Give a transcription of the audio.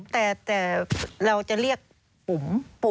แต่เราจะเรียกปุ๋ม